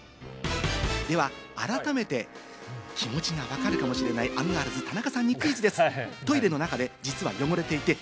では、改めて、気持ちがわかるかもしれない、アンガールズ・田中さんにクイズです。